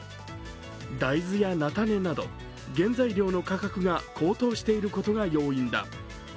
大豆や菜種など原材料の価格が高騰していることが要因だ。